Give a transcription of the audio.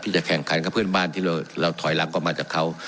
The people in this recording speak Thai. จะแข่งขันกับเพื่อนบ้านที่เราถอยหลังก็มาจากเขา